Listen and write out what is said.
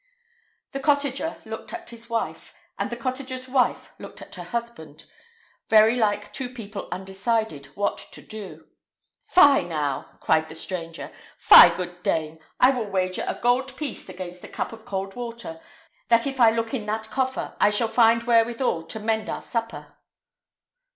The cottager looked at his wife, and the cottager's wife looked at her husband, very like two people undecided what to do. "Fie, now!" cried the stranger; "fie, good dame! I will wager a gold piece against a cup of cold water, that if I look in that coffer, I shall find wherewithal to mend our supper."